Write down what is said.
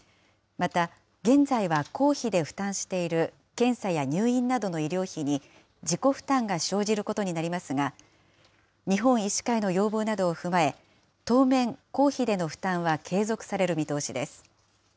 また、現在は公費で負担している検査や入院などの医療費に、自己負担が生じることになりますが、日本医師会の要望などを踏まえ、当面、公費での負担は継続される見通しです。